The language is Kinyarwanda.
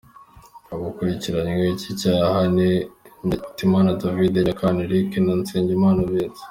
Abakurikiranyweho iki cyaha ni Ntakirutimana David, Nyakana Eric na Nzeyimana Vincent.